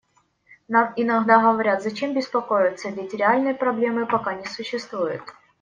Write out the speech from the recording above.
Нам иногда говорят: зачем беспокоиться, ведь реальной проблемы пока не существует.